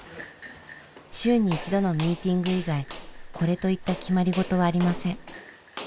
週に１度のミーティング以外これといった決まり事はありません。